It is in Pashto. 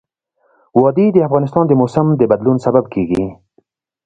وادي د افغانستان د موسم د بدلون سبب کېږي.